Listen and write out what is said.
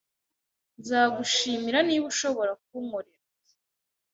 Nzagushimira niba ushobora kunkorera